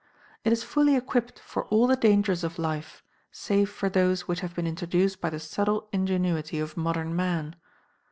It is fully equipped for all the dangers of life, save for those which have been introduced by the subtle ingenuity of modern man.